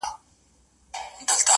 ستا د ښايستې خولې ښايستې خبري!